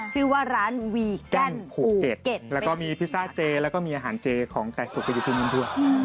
ชื่อว่าร้านวีแกนภูเก็ตแล้วก็มีพิซซ่าเจแล้วก็มีอาหารเจของไก่สุกก็อยู่ที่นู่นด้วย